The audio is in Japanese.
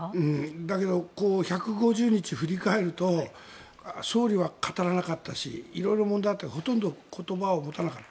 だけど１５０日振り返ると総理は語らなかったし色々問題があってほとんど言葉を持たなかった。